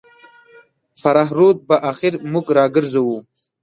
فراه رود به اخر موږ راګرځوو.